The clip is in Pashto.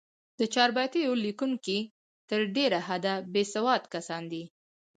د چاربیتو لیکوونکي تر ډېره حده، بېسواد کسان دي.